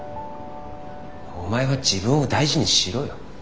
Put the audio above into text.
お前は自分を大事にしろよ。